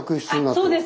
そうです。